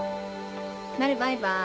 なるバイバーイ。